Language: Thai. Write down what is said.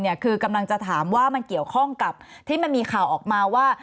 คือกำลังจะถามว่ามันเกี่ยวข้องกับที่มันมีข่าวออกมาว่า